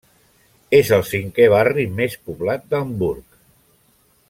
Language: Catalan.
És el cinquè barri més poblat d'Hamburg.